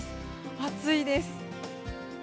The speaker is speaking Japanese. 暑いです。